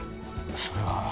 それは。